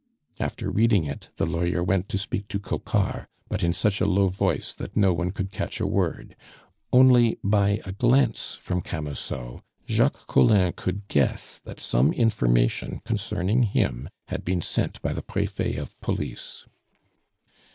After reading it the lawyer went to speak to Coquart, but in such a low voice that no one could catch a word. Only, by a glance from Camusot, Jacques Collin could guess that some information concerning him had been sent by the Prefet of Police.